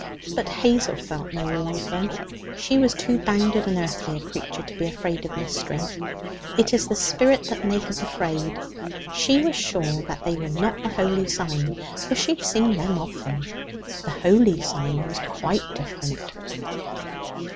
But Hazel felt no awe of them; she was too bounded and earthly a creature to be afraid of mystery. It is the spirit that maketh afraid. She was sure that they were not the Holy Sign, for she had seen them often. The Holy Sign was quite different.